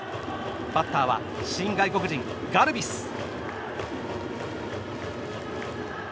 バッターは新外国人、ガルビス。